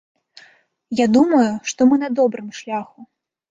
Я думаю, што мы на добрым шляху.